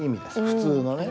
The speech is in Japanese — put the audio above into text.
普通のね。